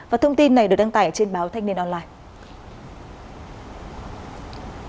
và thông tin này được đăng tải trên báo thanh niên online